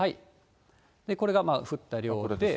これが降った量で。